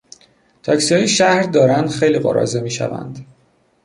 تاکسیهای شهر دارند خیلی قراضه میشوند.